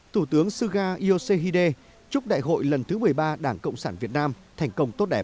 thủ tướng suga iosehide chúc đại hội lần thứ một mươi ba đảng cộng sản việt nam thành công tốt đẹp